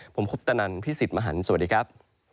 ผมคุปตนันพี่สิทธิ์มหันฯสวัสดีครับ